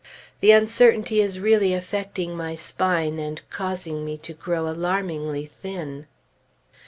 The uncertainty is really affecting my spine, and causing me to grow alarmingly thin....